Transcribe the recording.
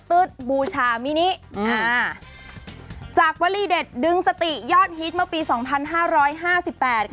ื๊ดบูชามินิอ่าจากวลีเด็ดดึงสติยอดฮิตเมื่อปีสองพันห้าร้อยห้าสิบแปดค่ะ